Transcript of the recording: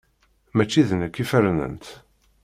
Mačči d nekk i fernent.